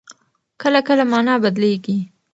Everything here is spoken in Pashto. کله کله مانا بدلېږي.